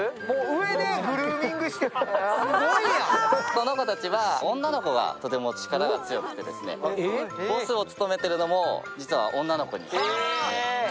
この子たちは女の子がとても力が強くて、ボスを務めているのも実は女の子です。